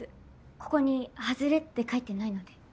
ここに「ハズレ」って書いてないので。